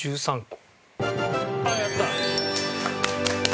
あっやった！